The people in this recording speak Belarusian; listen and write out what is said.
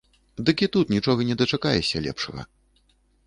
Дык і тут нічога не дачакаешся лепшага.